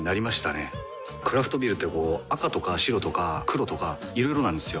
クラフトビールってこう赤とか白とか黒とかいろいろなんですよ。